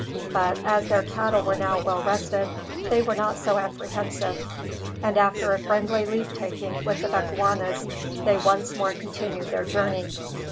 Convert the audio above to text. But, as their cattle were now well rested, they were not so apprehensive, and after a friendly leave taking with the Bechuanas, they once more continued their journey.